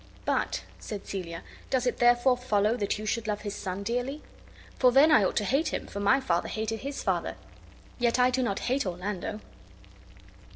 "But," said Celia, "does it therefore follow that you should love his son dearly?. For then I ought to hate him, for my father hated his father; yet do not hate Orlando."